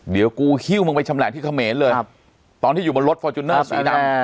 เดี๋ยวกูหิ้วมึงไปชำแหละที่เขมรเลยตอนที่อยู่บนรถฟอร์จูเนอร์สีดำ